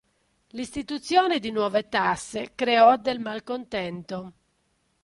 L'istituzione di nuove tasse creò del malcontento.